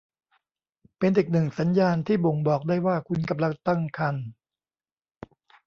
เป็นอีกหนึ่งสัญญาณที่บ่งบอกได้ว่าคุณกำลังตั้งครรภ์